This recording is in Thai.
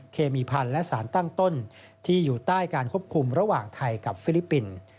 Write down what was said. เคมีพันธุ์และสารตั้งต้นที่อยู่ใต้การควบคุมระหว่างไทยกับฟิลิปปินส์